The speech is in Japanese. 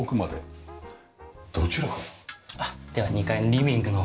どちらから？